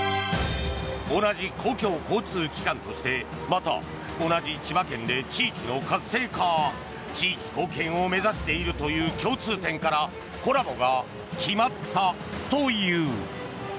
同じ公共交通機関としてまた同じ千葉県で地域の活性化地域貢献を目指しているという共通点からコラボが決まったという。